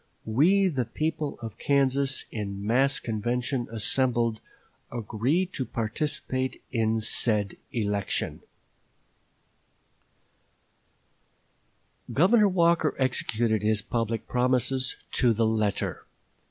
we the people of Kansas, in mass convention assembled, agree to participate in said election." Oct. 5, 1857. Governor Walker executed his public promises to the letter.